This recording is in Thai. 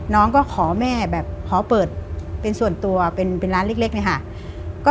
น้องก็ขอแม่แบบขอเปิดเป็นส่วนตัวเป็นร้านเล็กเนี่ยค่ะ